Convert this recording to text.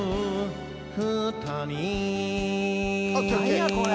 何やこれ。